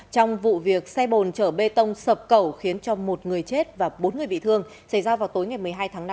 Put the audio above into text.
trong vụ việc xe bồn chở bê tông sập cầu khiến cho một người chết và bốn người bị thương xảy ra vào tối ngày một mươi hai tháng năm